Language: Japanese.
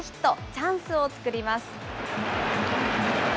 チャンスを作ります。